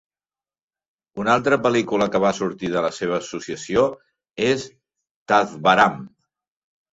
Una altra pel·lícula que va sortir de la seva associació és "Thazhvaram".